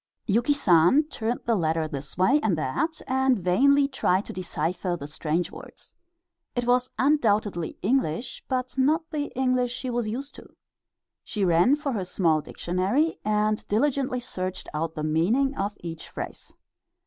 Yuki San turned the letter this way and that, and vainly tried to decipher the strange words. It was undoubtedly English, but not the English she was used to. She ran for her small dictionary and diligently searched out the meaning of each phrase.